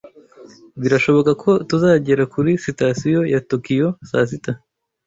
Birashoboka ko tuzagera kuri sitasiyo ya Tokiyo saa sita.